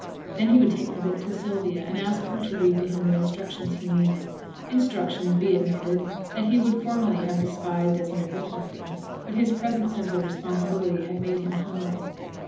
Then he would take the book to Sylvia, and ask her to read to him the instructions he needed; instructions, be it noted, that he would formerly have despised as mere book learning: but his present sense of responsibility had made him humble.